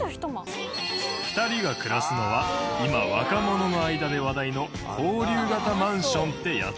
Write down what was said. ２人が暮らすのは今若者の間で話題の交流型マンションってやつ。